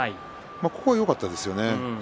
ここはよかったですよね。